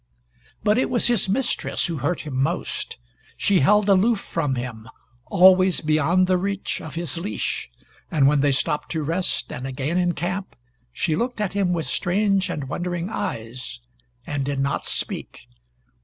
But it was his mistress who hurt him most. She held aloof from him, always beyond they reach of his leash; and when they stopped to rest, and again in camp, she looked at him with strange and wondering eyes, and did not speak.